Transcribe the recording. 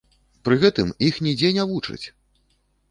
Пры гэтым іх нідзе не вучаць!